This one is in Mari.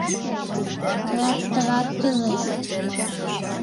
Тылат тыгак кӱлеш!